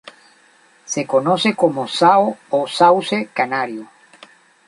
Se conoce como "sao o sauce canario".